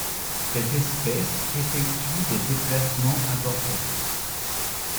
Cette espèce effectue des déplacements importants.